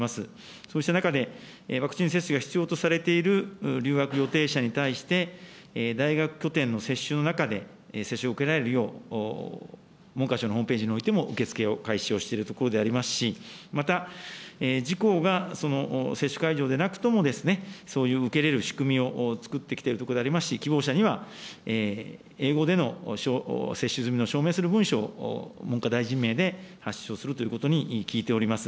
そうした中で、ワクチン接種が必要とされている留学予定者に対して、大学拠点の接種の中で、接種を受けられるよう、文科省のホームページにおいても受け付けを開始をしているところでありますし、また自公がその接種会場でなくても、そういう受け入れる仕組みを作ってきているところでありますし、希望者には英語での接種済みを証明する文書を文科大臣名で発出をするということに聞いております。